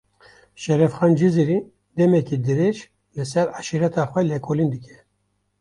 Şerefxan Cizîrî, demeke dirêj, li ser eşîreta xwe lêkolîn dike